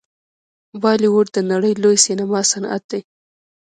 بالیووډ د نړۍ لوی سینما صنعت دی.